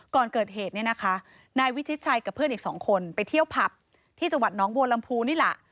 ก่อนเกิดเหตุเนี่ยนะคะนายวิธิชัยกับเพื่อนอีก๒คนไปเที่ยวพัพที่จังหวัดน้องโบรมภูนี่ล่ะ